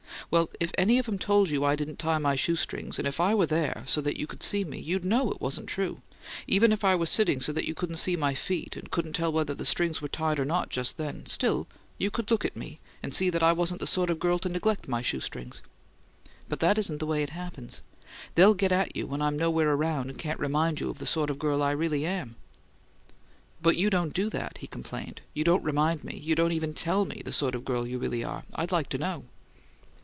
Well, if any of 'em told you I didn't tie my shoe strings, and if I were there, so that you could see me, you'd know it wasn't true. Even if I were sitting so that you couldn't see my feet, and couldn't tell whether the strings were tied or not just then, still you could look at me, and see that I wasn't the sort of girl to neglect my shoe strings. But that isn't the way it happens: they'll get at you when I'm nowhere around and can't remind you of the sort of girl I really am." "But you don't do that," he complained. "You don't remind me you don't even tell me the sort of girl you really are! I'd like to know."